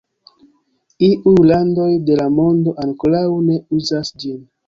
Iuj landoj de la mondo ankoraŭ ne uzas ĝin.